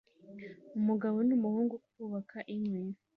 umugabo n'umuhungu kubaka inkwi